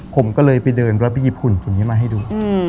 ผมก็เลยไปเดินรอบบี้หุ่นตัวนี้มาให้ดู